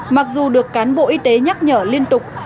mặc dù được cán bộ y tế nhắc nhở liên tục